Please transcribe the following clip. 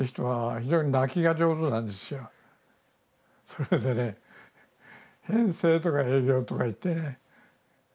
それでね編成とか営業とか行ってね